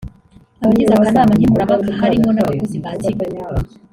abagize akanama nkemurampaka harimo n’abakozi ba Tigo